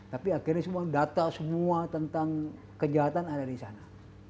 tapi akhirnya semua data semua tentang kejahatan ada di sana